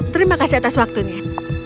terima kasih atas waktunya